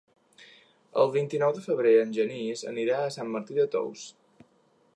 El vint-i-nou de febrer en Genís anirà a Sant Martí de Tous.